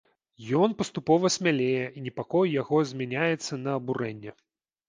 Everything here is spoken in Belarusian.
Ён паступова смялее, і непакой яго змяняецца на абурэнне.